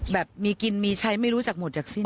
แบบมีกินมีใช้ไม่รู้จักหมดจากสิ้น